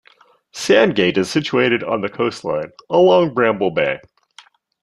Sandgate is situated on the coastline, along Bramble Bay.